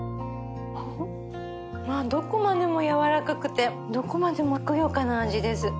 どこまでも軟らかくてどこまでもふくよかな味です。